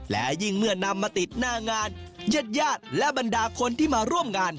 และยิ่งเมื่อนำมาติดหน้างานญาติญาติและบรรดาคนที่มาร่วมงาน